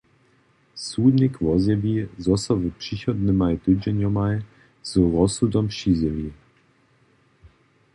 Sudnik wozjewi, zo so w přichodnymaj tydźenjomaj z rozsudom přizjewi.